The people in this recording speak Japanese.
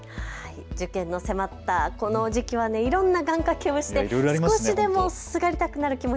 受験が迫ったこの時期はいろんな願かけをして少しでもすがりたくなる気持ち